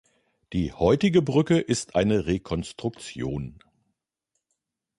Die heutige Brücke ist eine Rekonstruktion.